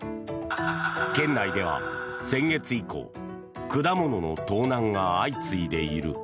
県内では先月以降果物の盗難が相次いでいる。